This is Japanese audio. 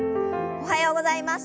おはようございます。